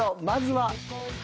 まずは。